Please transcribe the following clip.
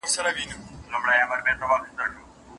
خاوندان به د ميرمنو په نفقه کې څنګه مساوات کوي؟